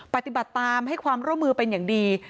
ปฏิบัติตามให้ความร่วมมือเป็นอย่างดี